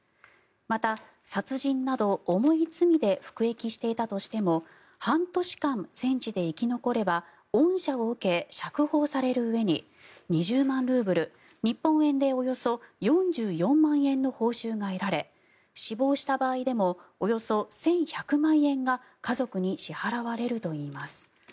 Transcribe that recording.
また、殺人など重い罪で服役していたとしても半年間戦地で生き残れば恩赦を受け釈放されるうえに２０万ルーブル日本円でおよそ４４万円の報酬が得られ死亡した場合でもおよそ１１００万円が家族に支払われるといいます。